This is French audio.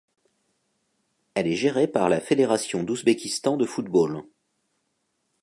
Elle est gérée par la Fédération d'Ouzbékistan de football.